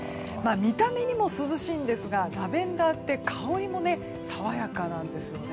見た目にも涼しいんですがラベンダーって香りも爽やかなんですよね。